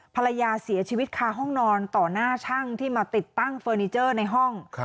ภรรยาเสียชีวิตคาห้องนอนต่อหน้าช่างที่มาติดตั้งเฟอร์นิเจอร์ในห้อง